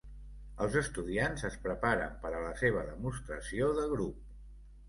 Els estudiants es preparen per a la seva demostració de grup.